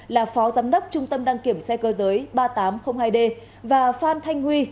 là phó giám đốc trung tâm đăng kiểm xe cơ giới ba nghìn tám trăm linh hai d và phan thanh huy